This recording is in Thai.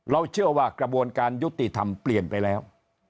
เชื่อว่ากระบวนการยุติธรรมเปลี่ยนไปแล้ว